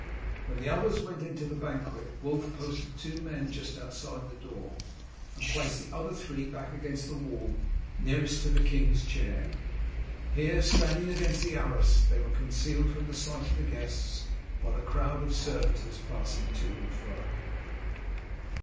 When the others went into the banquet Wulf posted two men just outside the door, and placed the other three back against the wall nearest to the king's chair. Here, standing against the arras, they were concealed from the sight of the guests by the crowd of servitors passing to and fro.